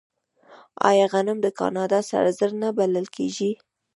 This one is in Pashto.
آیا غنم د کاناډا سره زر نه بلل کیږي؟